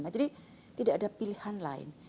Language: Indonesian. jadi tidak ada pilihan lain